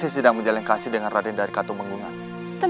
tidak ada yang perlu kamu sampaikan